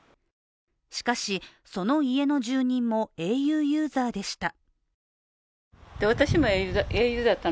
しかし、その家の住人もａｕユーザーでした。